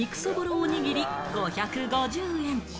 おにぎり、５５０円。